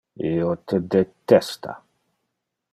Io te detesta.